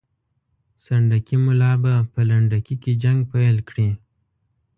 سنډکي ملا به په لنډکي کې جنګ پیل کړي.